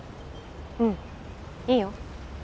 うんいいよ。